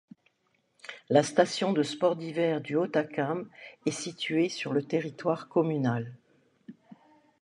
La station de sports d'hiver du Hautacam est située sur le territoire communal.